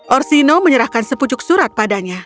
orsino menyerahkan sepucuk surat padanya